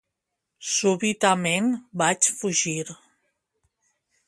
Súbitament vaig fugir.